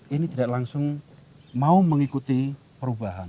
ini tidak langsung mau mengikuti perubahan